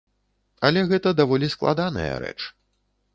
Але гэта даволі складаная рэч.